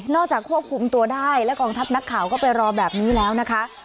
จากควบคุมตัวได้และกองทัพนักข่าวก็ไปรอแบบนี้แล้วนะคะ